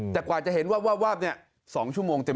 แต่กว่าจะเห็นวาบ๒ชั่วโมงเต็ม